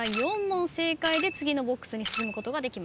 ４問正解で次のＢＯＸに進むことができます。